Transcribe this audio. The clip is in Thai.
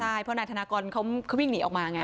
ใช่เพราะนายธนากรเขาวิ่งหนีออกมาไง